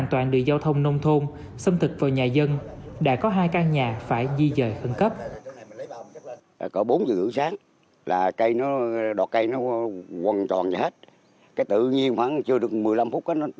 trong thôn sâm thịt vào nhà dân đã có hai căn nhà phải di dời khẩn cấp